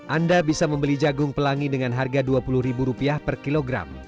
anda bisa membeli jagung pelangi dengan harga dua puluh ribu rupiah per kilogram